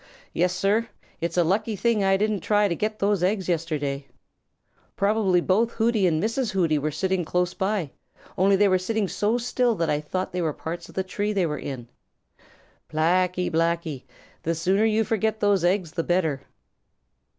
Yes, Sir, it's a lucky thing I didn't try to get those eggs yesterday. Probably both Hooty and Mrs. Hooty were sitting close by, only they were sitting so still that I thought they were parts of the tree they were in. Blacky, Blacky, the sooner you forget those eggs the better."